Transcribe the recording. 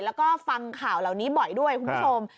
แล้วก็ฟังข่าวเหล่านี้บ่อยด้วยคุณผู้ชม